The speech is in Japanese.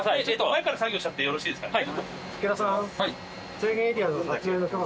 前から作業しちゃってよろしいですかね。